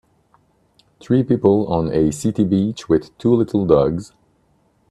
Three people on a city beach with two little dogs.